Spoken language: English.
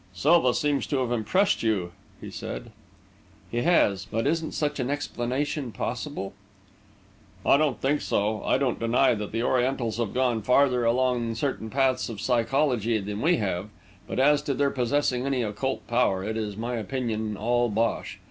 "Silva seems to have impressed you," he said. "He has. But isn't such an explanation possible?" "I don't think so. I don't deny that the Orientals have gone farther along certain paths of psychology than we have, but as to their possessing any occult power, it is, in my opinion, all bosh.